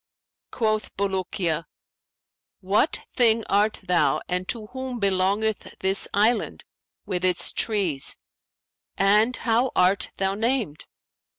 Quoth Bulukiya, 'What thing art thou and to whom belongeth this island, with its trees, and how art thou named?'